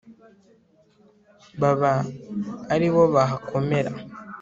baba ari bo bahakomera